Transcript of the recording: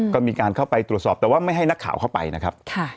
ก็มีการเข้าไปตรวจสอบแต่ว่าไม่ให้นักข่าวเข้าไปนะครับ